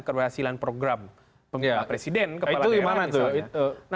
keberhasilan program pemilu presiden kepala daerah misalnya